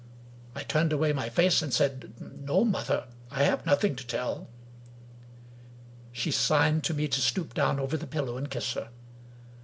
I turned away my face, and said, " No, mother ; I have noth ing to tell." She signed to me to stoop down over the pillow and kiss her.